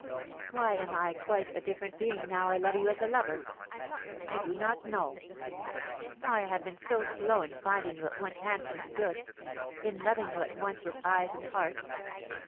Why am I quite a different being now I love you as a lover? I do not know. Why have I been so slow in finding you at once handsome and good, in loving you at once with eyes and heart?